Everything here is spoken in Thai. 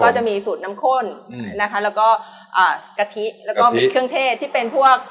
จะมีสูตรน้ำข้นนะคะแล้วก็อ่ากะทิแล้วก็มีเครื่องเทศที่เป็นพวก